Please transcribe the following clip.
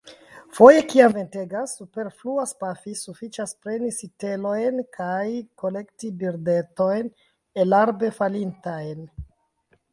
Foje, kiam ventegas, superfluas pafi: sufiĉas preni sitelojn kaj kolekti birdetojn elarbe falintajn.